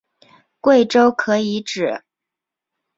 贵州可以指